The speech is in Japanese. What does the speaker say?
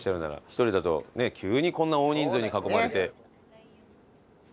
１人だと急にこんな大人数に囲まれて。